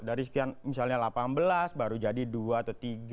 dari sekian misalnya delapan belas baru jadi dua atau tiga